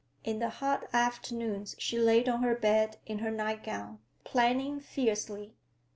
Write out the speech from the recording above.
In the hot afternoons she lay on her bed in her nightgown, planning fiercely.